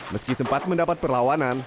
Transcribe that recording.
meski sempat mendapat perlawanan